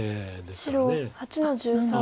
白８の十三。